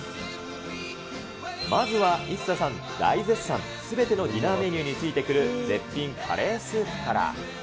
まずは、イッサさん大絶賛、すべてディナーメニューについてくる絶品カレースープから。